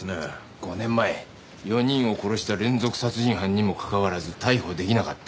５年前４人を殺した連続殺人犯にもかかわらず逮捕出来なかった。